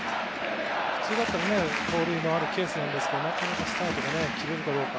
普通だったら盗塁もあるケースなんですがなかなかスタートが切れるかどうか。